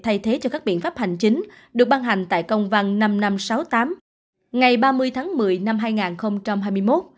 thay thế cho các biện pháp hành chính được ban hành tại công văn năm nghìn năm trăm sáu mươi tám ngày ba mươi tháng một mươi năm hai nghìn hai mươi một